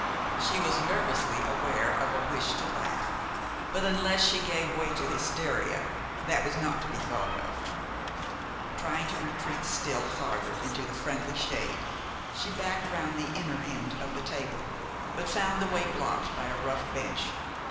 She was nervously aware of a wish to laugh; but unless she gave way to hysteria that was not to be thought of. Trying to retreat still farther into the friendly shade, she backed round the inner end of the table, but found the way blocked by a rough bench.